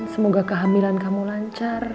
semoga kehamilan kamu lancar